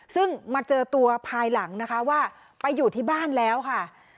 ซึ่งมาเจอตัวภายหลังนะคะว่าไปอยู่ที่บ้านแล้วค่ะ